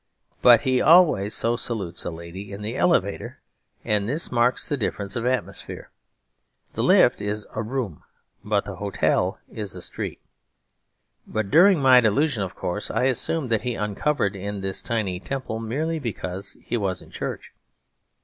But he always so salutes a lady in the elevator; and this marks the difference of atmosphere. The lift is a room, but the hotel is a street. But during my first delusion, of course, I assumed that he uncovered in this tiny temple merely because he was in church.